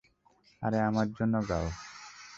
আরে, আমার জন্য গাও।